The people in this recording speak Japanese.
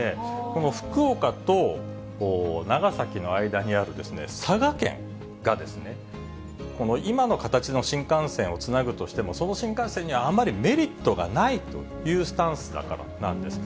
この福岡と長崎の間にある佐賀県が、今の形の新幹線をつなぐとしても、その新幹線にあまりメリットがないというスタンスだからなんです。